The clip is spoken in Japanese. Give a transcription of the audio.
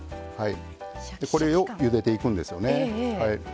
これをゆでていくんですよね。